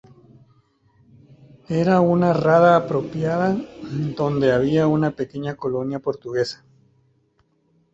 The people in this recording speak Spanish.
Era una rada apropiada donde había una pequeña colonia portuguesa.